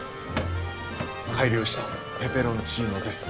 改良したペペロンチーノです。